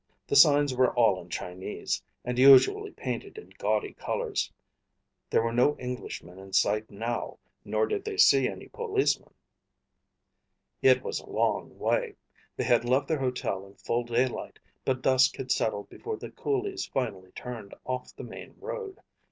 The signs were all in Chinese, and usually painted in gaudy colors. There were no Englishmen in sight now, nor did they see any policemen. It was a long way. They had left their hotel in full daylight, but dusk had settled before the coolies finally turned off the main road.